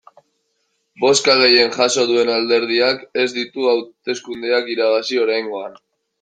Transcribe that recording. Bozka gehien jaso duen alderdiak ez ditu hauteskundeak irabazi oraingoan.